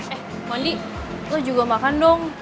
eh mandi lo juga makan dong